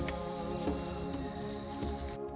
memiliki lima ratus sembilan puluh satu hektar hutan adat